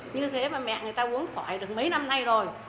như thế mà mẹ người ta muốn khỏi được mấy năm nay rồi